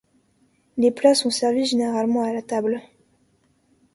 Les plats sont servis généralement à la table.